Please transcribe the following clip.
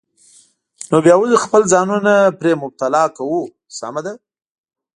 نو بیا ولې خپل ځانونه پرې مبتلا کوو؟ سمه ده.